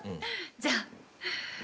じゃあ。